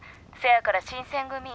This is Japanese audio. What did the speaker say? せやから新選組